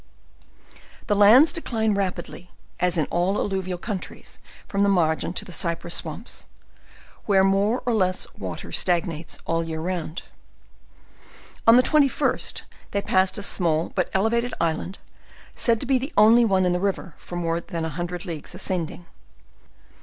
The? LEWIS AND CLARKE. 179 lands decline rapidly, as in all alluvial countries, from the margin to the cypress swamps, where more or less water stagnates all the year round. On the 21st they passed a small, but elevated island, said to be the only one in the riv er tor. more than one hundred leagues, ascending.